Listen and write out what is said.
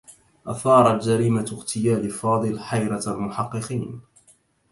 أثارت جريمة اغتيال فاضل حيرة المحقّقين.